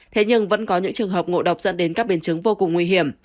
thế nhưng vẫn có những trường hợp ngộ độc dẫn đến các biến chứng vô cùng nguy hiểm